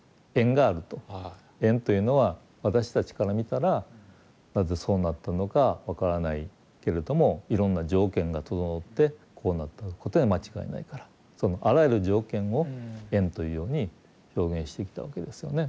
縁というのは私たちから見たらなぜそうなったのか分からないけれどもいろんな条件が整ってこうなったことには間違いないからそのあらゆる条件を縁というように表現してきたわけですよね。